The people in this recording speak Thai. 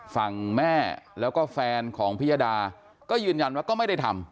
ฝั่งแม่แล้วก็แฟนของพิยดาก็ยืนยันว่าก็ไม่ได้ทำ